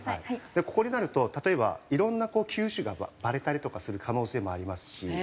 ここになると例えばいろんな球種がバレたりとかする可能性もありますし